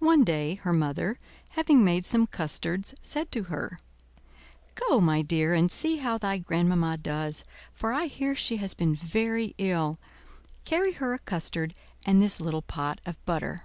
One day her mother, having made some custards, said to her: "Go, my dear, and see how thy grandmamma does, for I hear she has been very ill; carry her a custard and this little pot of butter."